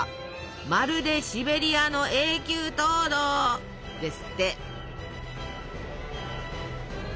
まるでシベリアの永久凍土！ですって。